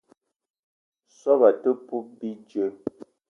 Soobo te poup bidjeu.